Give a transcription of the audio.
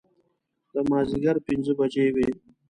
د مازدیګر پنځه بجې وې.